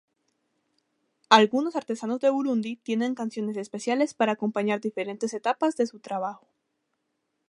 Algunos artesanos de Burundi tienen canciones especiales para acompañar diferentes etapas de su trabajo.